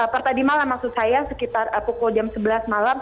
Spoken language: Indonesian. pertadi malam maksud saya sekitar pukul jam sebelas malam